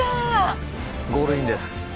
ゴールインです。